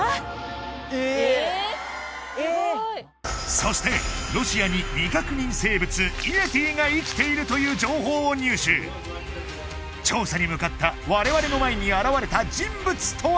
そしてロシアに未確認生物イエティが生きているという情報を入手調査に向かった我々の前に現れた人物とは！？